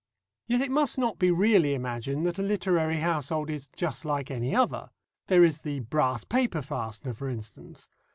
Yet it must not be really imagined that a literary household is just like any other. There is the brass paper fastener, for instance.